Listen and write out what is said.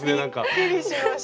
びっくりしました。